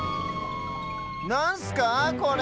なんすかこれ？